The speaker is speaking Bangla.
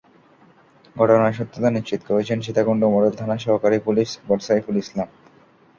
ঘটনার সত্যতা নিশ্চিত করেছেন সীতাকুণ্ড মডেল থানার সহকারী পুলিশ সুপার সাইফুল ইসলাম।